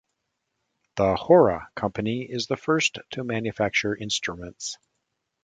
The "Hora" Company is the first to manufacture instruments.